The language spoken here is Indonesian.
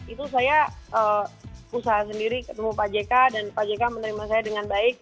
itu saya usaha sendiri ketemu pak jk dan pak jk menerima saya dengan baik